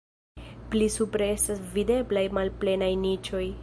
Pli supre estas videblaj malplenaj niĉoj.